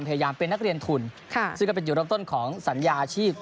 พยายามเป็นนักเรียนทุนซึ่งก็เป็นจุดเริ่มต้นของสัญญาอาชีพ